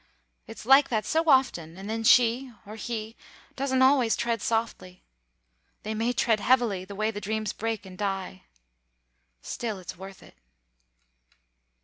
'... It's like that so often; and then she or he doesn't always tread softly; they may tread heavily, the way the dreams break and die. Still, it's worth it...."